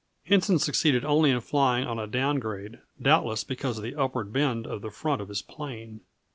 Henson succeeded only in flying on a down grade, doubtless because of the upward bend of the front of his plane.